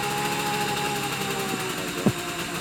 Akka d wid i t-id-iḥeṛṛen.